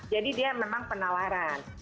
jadi dia memang penawaran